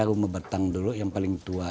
rumah batang dulu yang paling tua